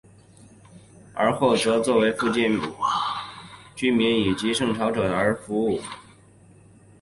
尔后则作为附近居民以及朝圣者而服务。